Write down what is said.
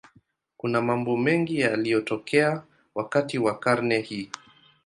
Kuna mambo mengi yaliyotokea wakati wa karne hii.